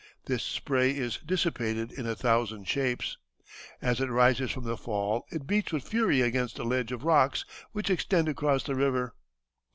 This spray is dissipated in a thousand shapes.... As it rises from the fall it beats with fury against a ledge of rocks which extend across the river."